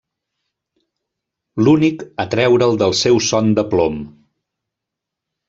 L'únic a treure'l del seu son de plom.